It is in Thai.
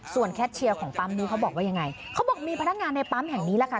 แคทเชียร์ของปั๊มนี้เขาบอกว่ายังไงเขาบอกมีพนักงานในปั๊มแห่งนี้แหละค่ะ